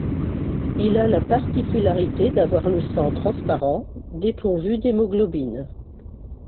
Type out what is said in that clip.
Il a la particularité d'avoir le sang transparent, dépourvu d'hémoglobine.